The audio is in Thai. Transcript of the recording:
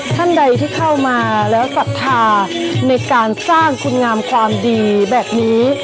ท่านใดที่เข้ามาแล้วศรัทธาในการสร้างคุณงามความดีแบบนี้